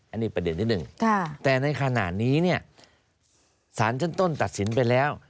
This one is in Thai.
อันนี้ประเด็นที่หนึ่งแต่ในขณะนี้เนี่ยสารชั้นต้นตัดสินไปแล้ว